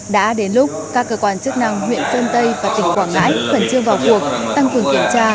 đã đến lúc các cơ quan chức năng huyện sơn tây và tỉnh quảng ngãi vẫn chưa vào cuộc tăng quyền kiểm tra